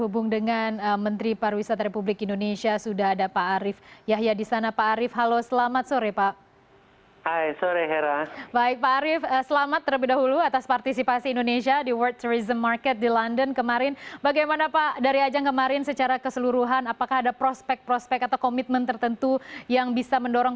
pada dua ribu tujuh belas kementerian parwisata menetapkan target lima belas juta wisatawan mancanegara yang diharapkan dapat menyumbang devisa sebesar empat belas sembilan miliar dolar amerika